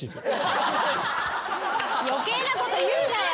余計なこと言うなよ。